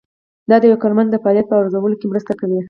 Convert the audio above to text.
دا د یو کارمند د فعالیت په ارزولو کې مرسته کوي.